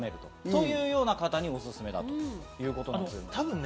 そういう方におすすめなんですということです。